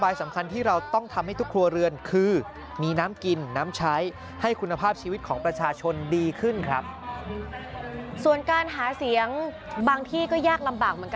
ยังบางที่ก็แยกลำบากเหมือนกันนะคะ